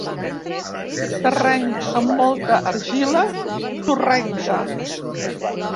Terreny amb molta argila sorrenca.